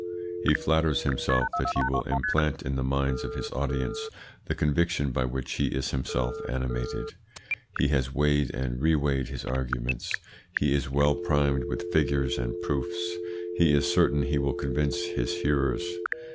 "He flatters himself that he will implant in the minds of his audience the conviction by which he is himself animated. He has weighed and reweighed his arguments; he is well primed with figures and proofs; he is certain he will convince his hearers.